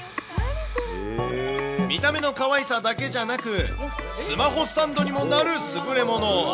見た目のかわいさだけじゃなく、スマホスタンドにもなる優れもの。